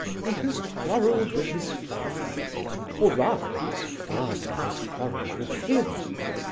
He has quarrelled with his father, or rather his father has quarrelled with him.